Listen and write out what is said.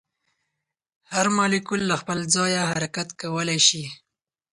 هر مالیکول له خپل ځایه حرکت کولی شي.